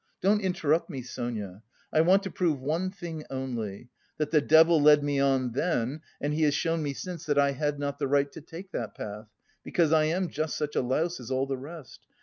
"Don't interrupt me, Sonia. I want to prove one thing only, that the devil led me on then and he has shown me since that I had not the right to take that path, because I am just such a louse as all the rest.